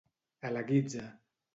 A la guitza.